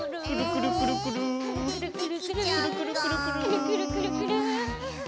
くるくるくるくる！